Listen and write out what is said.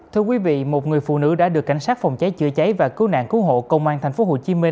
thưa quý vị một người phụ nữ đã được cảnh sát phòng cháy chữa cháy và cứu nạn cứu hộ công an tp hcm